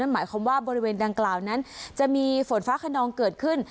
หมายความว่าบริเวณดังกล่าวนั้นจะมีฝนฟ้าขนองเกิดขึ้น